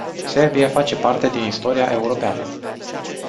Serbia face parte din istoria europeană.